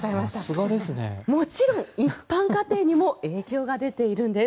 もちろん一般家庭にも影響が出ているんです。